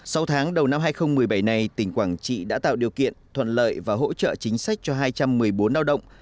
sau tháng đầu năm hai nghìn một mươi bảy này tỉnh quảng trị đã tạo điều kiện thuận lợi và hỗ trợ chính sách cho hai trăm một mươi bốn lao động